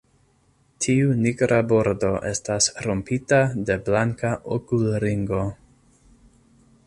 Tiu nigra bordo estas rompita de blanka okulringo.